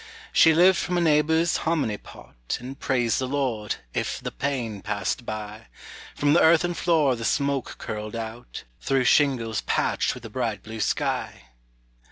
She lived from a neighbor's hominy pot; And praised the Lord, if "the pain" passed by; From the earthen floor the smoke curled out Through shingles patched with the bright blue sky.